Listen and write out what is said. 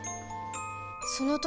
その時